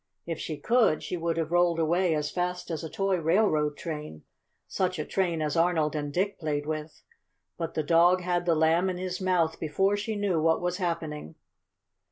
If she could, she would have rolled away as fast as a toy railroad train, such a train as Arnold and Dick played with. But the dog had the Lamb in his mouth before she knew what was happening.